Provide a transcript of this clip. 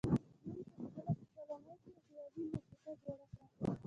جون په دولس کلنۍ کې خیالي معشوقه جوړه کړه